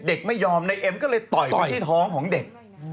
เด็กไม่ยอมในเอ็มก็เลยต่อยไปที่ท้องของเด็ก